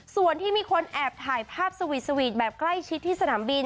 ส่วนที่มีคนแอบถ่ายภาพสวีทวีทแบบใกล้ชิดที่สนามบิน